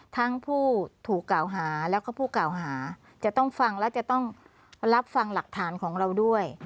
ทั้งผู้ถูกกล่าวหาแล้วก็ผู้กล่าวหาจะต้องฟังและจะต้องรับฟังหลักฐานของเราด้วย